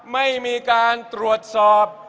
ไม่มีการตรวจสอบ